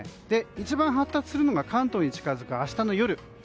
一番発達するのが関東に近づく明日の夜。